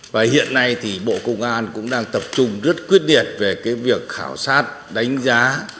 và hiện nay thì bộ công an cũng đang tập trung rất quyết liệt về cái việc khảo sát đánh giá